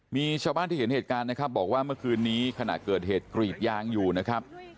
มีชาวบ้านที่เห็นเหตุการณ์นะครับบอกว่าเมื่อคืนนี้ขณะเกิดเหตุกรีดยางอยู่นะครับ